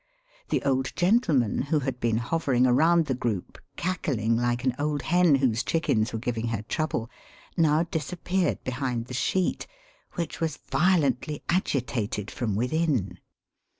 The old gentleman, who had been hovering around the group cackling like an old hen whose chickens were giving her trouble, now disappeared behind the sheet, which was violently agitated from within.